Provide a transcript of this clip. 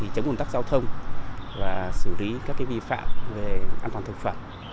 chấm cùng tắc giao thông và xử lý các vi phạm về an toàn thực phẩm